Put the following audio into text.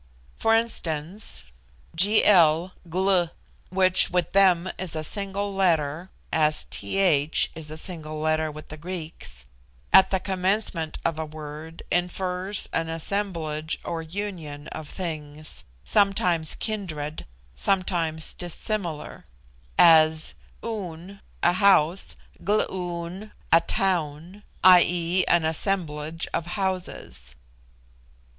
For instance, Gl (which with them is a single letter, as 'th' is a single letter with the Greeks) at the commencement of a word infers an assemblage or union of things, sometimes kindred, sometimes dissimilar as Oon, a house; Gloon, a town (i. e., an assemblage of houses).